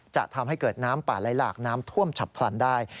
จะทำให้เกิดน้ำป่าไหลหลากน้ำท่วมฉับพลันได้